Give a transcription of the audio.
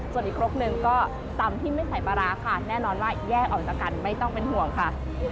ส่วนอีกครกหนึ่งก็ตำที่ไม่ใส่ปลาร้าค่ะแน่นอนว่าแยกออกจากกันไม่ต้องเป็นห่วงค่ะ